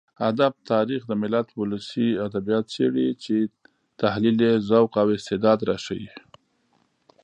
ادب تاريخ د ملت ولسي ادبيات څېړي چې تحليل يې ذوق او استعداد راښيي.